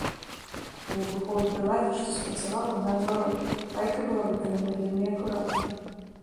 У выбуховай прыладзе, што спрацавала, наадварот, пайка была выканана вельмі акуратна.